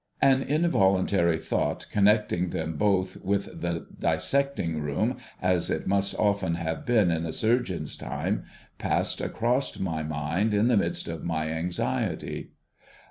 An involuntary thought connecting them both with the Dissecting Room, as it must often have been in the surgeon's time, passed across my mind in the midst of my anxiety.